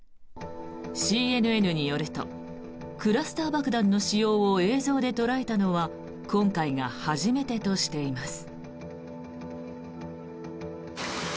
ＣＮＮによるとクラスター爆弾の使用を映像で捉えたのは今回が初めてとしています。